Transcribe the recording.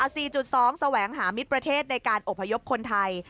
๔๒แสวงหามิตรประเทศในการอพยพคนไทย